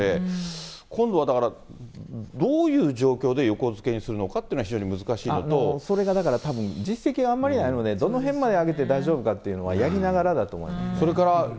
水も入ってる、それから浮力が急になくなるんで、今度はだからどういう状況で横付けにするのかっていうのが非常にそれがだからたぶん、実績があんまりないので、どの辺まで揚げて大丈夫かっていうのはやりながらだと思います。